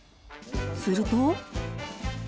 すると。